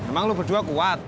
emang lo berdua kuat